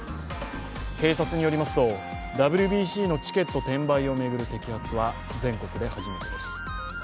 警察によりますと、ＷＢＣのチケット転売を巡る摘発は全国で初めてです。